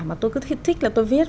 mà tôi cứ thích là tôi viết